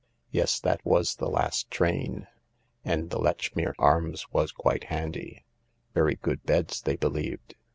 Yes, that was the last train. And the Lechmere Arms was quite handy. Very good beds, they believed.